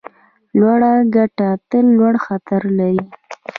لوړه ګټه تل لوړ خطر لري.